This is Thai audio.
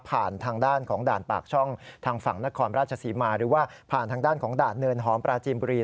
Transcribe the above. ทางด้านของด่านปากช่องทางฝั่งนครราชศรีมาหรือว่าผ่านทางด้านของด่านเนินหอมปราจีนบุรี